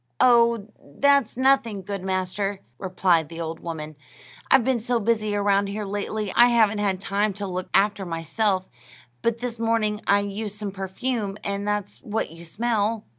"Oh, that's nothing, good master," replied the old woman; "I've been so busy around here lately I haven't had time to look after myself; but this morning I used some perfume, and that's what you smell."